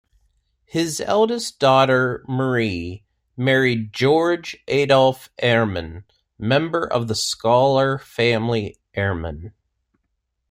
His eldest daughter, Marie, married Georg Adolf Erman, member of the scholar family Erman.